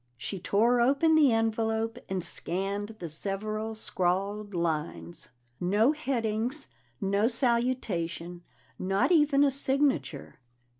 She tore open the envelope and scanned the several scrawled lines. No heading, no salutation, not even a signature.